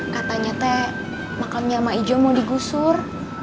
katanya teh makamnya ma ijom mau digusur